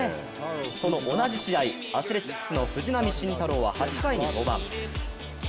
その同じ試合、アスレチックスの藤浪晋太郎は８回に登板。